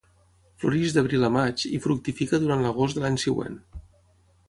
Floreix d'abril a maig i fructifica durant l'agost de l'any següent.